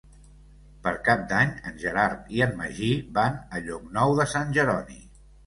Per Cap d'Any en Gerard i en Magí van a Llocnou de Sant Jeroni.